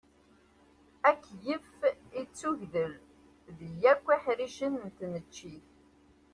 Akeyyef ittugdel di yakk iḥricen n tneččit.